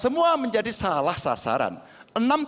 bahwa saya menjadi seorang nak star perbataan di negara ini